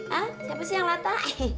hah siapa sih yang latah